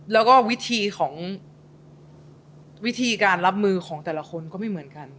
แล้วก็วิธีของวิธีการรับมือของแต่ละคนก็ไม่เหมือนกัน